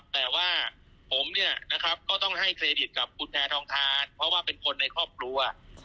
แต่ว่าผมเนี่ยนะครับก็ต้องให้เครดิตกับคุณแพทองทานเพราะว่าเป็นคนในครอบครัว